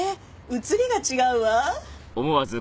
写りが違うわ。